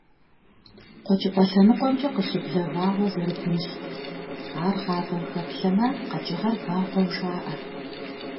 Къуэкӏыпӏэ лъэныкъуэмкӏэ къыщыблэ вагъуэ зэрыбынщ, ар гъавэм хэплъэмэ, къэкӏыгъэр багъуэу жаӏэ.